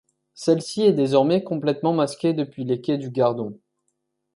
Celle-ci est désormais complètement masquée depuis les quais du Gardon.